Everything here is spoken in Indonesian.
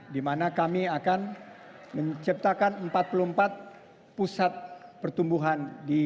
di mana kami akan menciptakan empat puluh empat pusat pertumbuhan